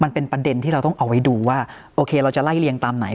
มันเป็นประเด็นที่เราต้องเอาไว้ดูว่าโอเคเราจะไล่เรียงตามไหน